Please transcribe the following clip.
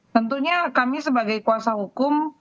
tentunya kami sebagai kuasa hukum